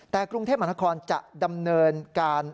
แต่กรุงเทพมหานครจะดำเนินการ